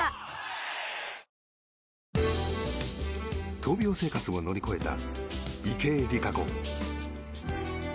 闘病生活を乗り越えた池江璃花子。